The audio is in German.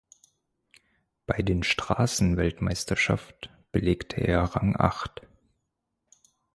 Bei den Straßen-Weltmeisterschaft belegte er Rang acht.